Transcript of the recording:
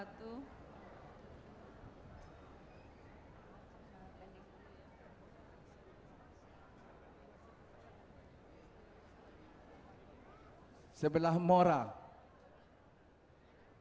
hai travailler waalaikum warahmatullahi wabarakatuh